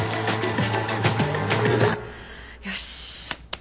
よし。